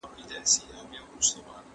د حقایقو ښکاره کول د هر چا مسؤلیت دی.